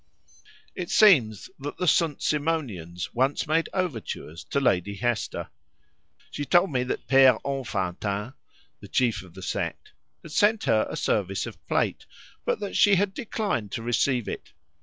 It seems that the St. Simonians once made overtures to Lady Hester. She told me that the Père Enfantin (the chief of the sect) had sent her a service of plate, but that she had declined to receive it.